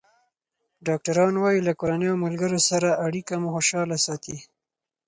ډاکټران وايي له کورنۍ او ملګرو سره اړیکه مو خوشحاله ساتي.